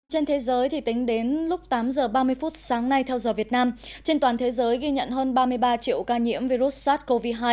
trên thế giới tính đến lúc tám giờ ba mươi phút sáng nay theo giờ việt nam trên toàn thế giới ghi nhận hơn ba mươi ba triệu ca nhiễm virus sars cov hai